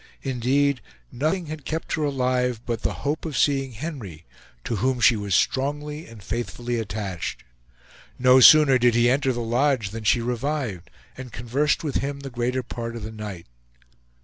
Indeed, nothing had kept her alive but the hope of seeing Henry, to whom she was strongly and faithfully attached. No sooner did he enter the lodge than she revived, and conversed with him the greater part of the night.